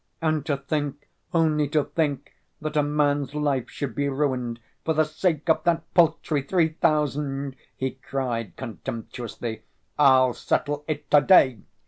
"And to think, only to think that a man's life should be ruined for the sake of that paltry three thousand!" he cried, contemptuously. "I'll settle it to‐ day."